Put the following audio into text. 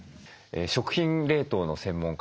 食品冷凍の専門家